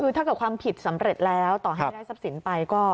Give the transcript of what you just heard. คือถ้าเกิดความผิดสำเร็จแล้วต่อให้ได้ทรัพย์สินไปก็